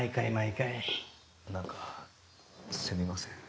なんかすみません。